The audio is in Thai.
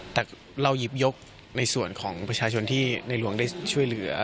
แต่เราหยิบยกในส่วนของประชาชนที่ในหลวงได้ช่วยเหลือ